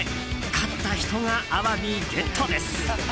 勝った人がアワビ、ゲットです。